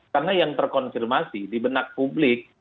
karena yang terkonfirmasi di benak publik